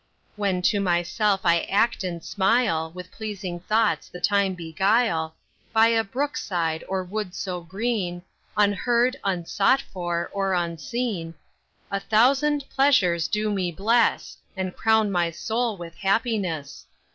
When to myself I act and smile, With pleasing thoughts the time beguile, By a brook side or wood so green, Unheard, unsought for, or unseen, A thousand pleasures do me bless, And crown my soul with happiness.